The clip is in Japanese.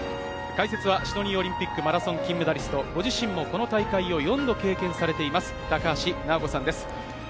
解説はシドニーオリンピック・マラソン金メダリスト、ご自身もこの大会を４度経験されています、高橋尚子さんです。